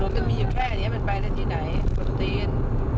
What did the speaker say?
ถนนมันมีอย่างแค่แบบนี้มันไปได้ที่ไหนต้นเตียน